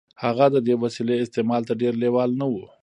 هغه د دې وسیلې استعمال ته ډېر لېوال نه و